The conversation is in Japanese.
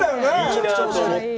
いいなと思って。